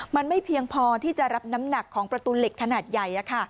มันไม่เพียงพอที่จะรับน้ำหนักของประตูเหล็กขนาดใหญ่